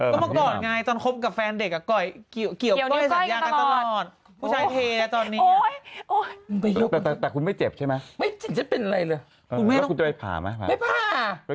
ก็เมื่อก่อนไงตอนคบกับแฟนเด็กก็เกี่ยวก้อยสัญญากันตลอด